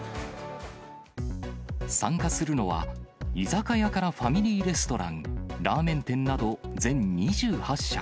参加するのは、居酒屋からファミリーレストラン、ラーメン店など全２８社。